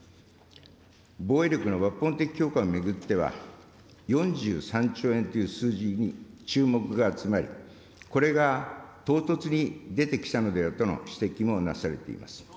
防衛力の抜本的強化を巡っては、４３兆円という数字に注目が集まり、これが唐突に出てきたのではとの指摘もなされています。